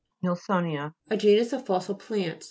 NILSO'NIA A genus of fossil plants.